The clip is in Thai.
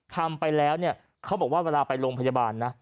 ทำไปแล้วเนี่ยเขาบอกว่าเวลาไปโรงพยาบาลนะ